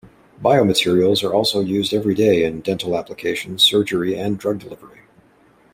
Biomaterials are also used every day in dental applications, surgery, and drug delivery.